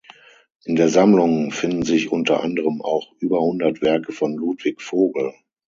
In der Sammlung finden sich unter anderem auch über hundert Werke von Ludwig Vogel.